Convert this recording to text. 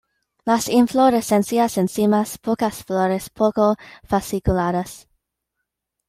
Las inflorescencias en cimas pocas flores, poco fasciculadas.